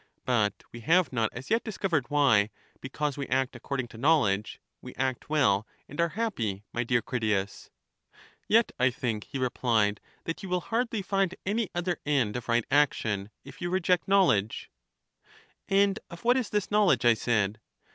But we have not as yet discovered why, because we act according to knowledge, we act well and are happy, my dear Critias. Digitized by VjOOQ IC 38 CHARMIDES Yet I think, he replied, that you will hardly find any other end of right action, if you reject knowledge. And of what is this knowledge? I said.